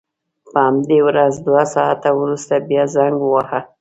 په همدې ورځ دوه ساعته وروسته بیا زنګ وواهه.